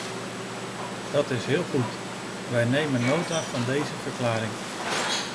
Dat is heel goed, wij nemen nota van deze verklaring.